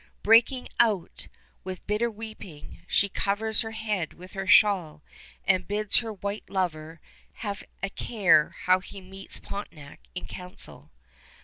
Breaking out with bitter weeping, she covers her head with her shawl and bids her white lover have a care how he meets Pontiac in council.